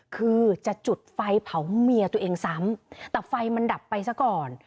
คือจะจุดไฟเผาเมียตัวเองซ้ำแต่ไฟมันดับไปซะก่อน